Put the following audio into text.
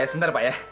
sebentar pak ya